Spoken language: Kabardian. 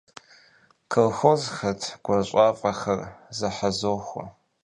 Колхозхэт гуащӀафӀэхэр зохьэзохуэ.